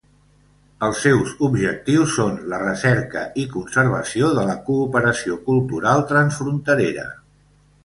Els seus objectius són la recerca i conservació de la cooperació cultural transfronterera.